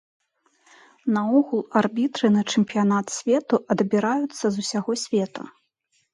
Наогул, арбітры на чэмпіянат свету адбіраюцца з усяго свету.